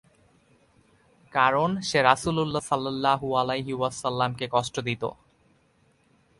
কারণ, সে রাসূলুল্লাহ সাল্লাল্লাহু আলাইহি ওয়াসাল্লামকে কষ্ট দিত।